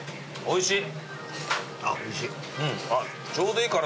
おいしい。